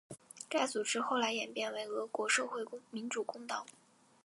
该组织后来演变为俄国社会民主工党。